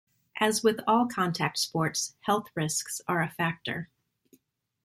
As with all contact sports, health risks are a factor.